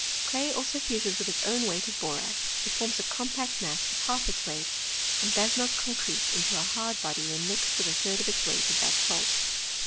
Clay also fuses with its own weight of borax ; it forms a compact mass with half its weight, and does not concrete into a hard body when mixed with a third of its weight of that salt.